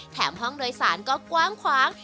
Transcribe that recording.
แถมห้องโดยสารก็กว้าง